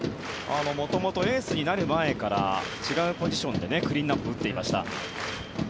元々、エースになる前から違うポジションでクリーンアップを打っていました。